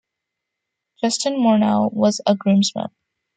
Justin Morneau was a groomsman.